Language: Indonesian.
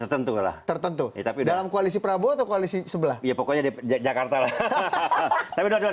tertentu tapi dalam koalisi prabowo atau koalisi sebelah ya pokoknya di jakarta hahaha tapi saya